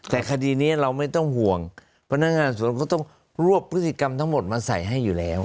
แต่คดีนี้เราไม่ต้องห่วงพนักงานสวนก็ต้องรวบพฤติกรรมทั้งหมดมาใส่ให้อยู่แล้ว